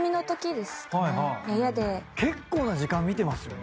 結構な時間見てますよね。